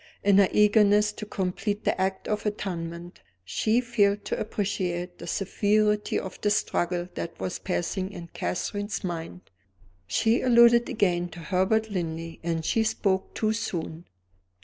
In her eagerness to complete the act of atonement, she failed to appreciate the severity of the struggle that was passing in Catherine's mind. She alluded again to Herbert Linley, and she spoke too soon.